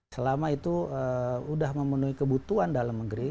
selama itu sudah memenuhi kebutuhan dalam negeri